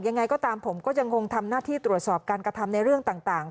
ยังไงก็ตามผมก็ยังคงทำหน้าที่ตรวจสอบการกระทำในเรื่องต่าง